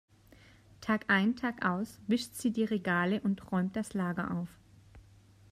Tagein tagaus wischt sie die Regale und räumt das Lager auf.